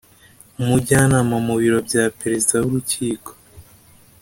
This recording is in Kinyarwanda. umujyanama mu biro bya perezida w urukiko